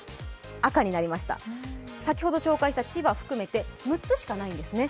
赤になりました、先ほど紹介した千葉を含めて６つしかないんですね。